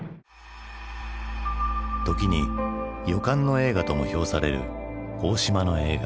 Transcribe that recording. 時に「予感の映画」とも評される大島の映画。